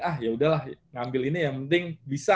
ah yaudahlah ngambil ini ya mending bisa